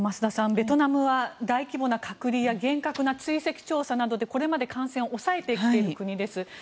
ベトナムは大規模な隔離や厳格な追跡調査などで、これまで感染を抑えてきている国です。